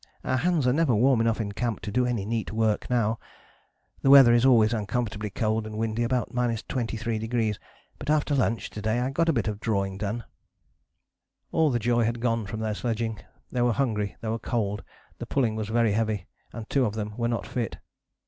Our hands are never warm enough in camp to do any neat work now. The weather is always uncomfortably cold and windy, about 23°, but after lunch to day I got a bit of drawing done." All the joy had gone from their sledging. They were hungry, they were cold, the pulling was heavy, and two of them were not fit.